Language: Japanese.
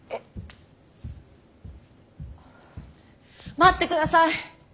待ってください。